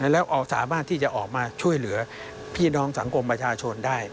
แล้วออกสามารถที่จะออกมาช่วยเหลือพี่น้องสังคมประชาชนได้